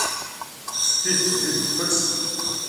سپي په ژمي کې پټ شي.